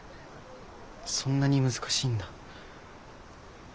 そんなに難しいんだ。